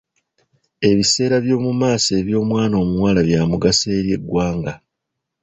Ebiseera by'omu maaso eby'omwana omuwala byamugaso eri eggwanga.